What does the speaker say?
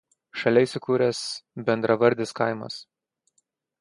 Šalia įsikūręs bendravardis kaimas.